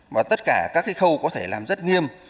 và tất cả các cái khâu có thể làm rất nghiêm